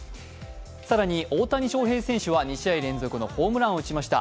更に大谷翔平選手は２試合連続のホームランを打ちました。